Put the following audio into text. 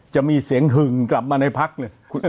จะมีเสียงหึงกลับมาในพักเลย